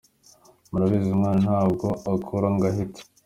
Murabizi umwana ntabwo akura ngo ahite.